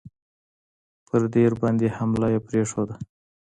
پر دیر باندي حمله یې پرېښوده.